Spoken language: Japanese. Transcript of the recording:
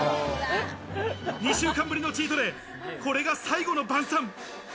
２週間ぶりのチートデイ、これが最後の晩餐。